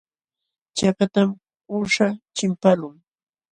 Chakatam uusha chimpaqlun.